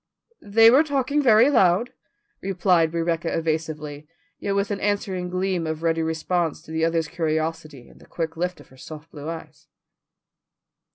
"They were talking very loud," replied Rebecca evasively, yet with an answering gleam of ready response to the other's curiosity in the quick lift of her soft blue eyes.